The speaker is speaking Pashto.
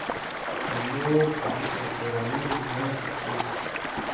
د مور په هڅو کورنی ژوند ښه کیږي.